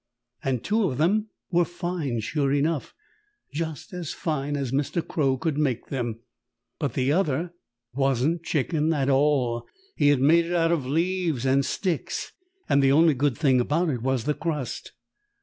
And two of them were fine, sure enough just as fine as Mr. Crow could make them but the other wasn't chicken at all. It was made out of leaves and sticks, and the only thing good about it was the crust.